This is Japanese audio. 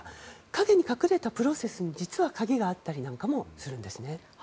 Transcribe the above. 陰に隠れたプロセスに実は鍵があったりなんかもするんですね。